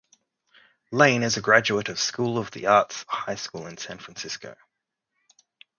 Lane is a graduate of School of the Arts High School in San Francisco.